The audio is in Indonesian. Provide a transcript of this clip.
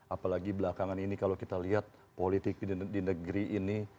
apalagi belakangan ini kalau kita lihat politik di negeri ini